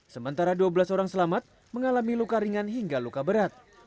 sementara dua belas orang selamat mengalami luka ringan hingga luka berat